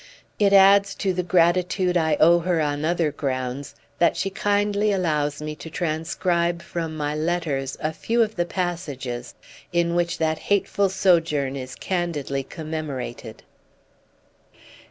It adds to the gratitude I owe her on other grounds that she kindly allows me to transcribe from my letters a few of the passages in which that hateful sojourn is candidly commemorated.